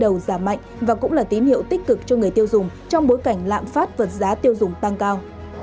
đầu giảm mạnh và cũng là tín hiệu tích cực cho người tiêu dùng trong bối cảnh lạm phát vượt giá tiêu dùng tăng cao